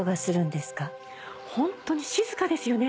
ホントに静かですよね。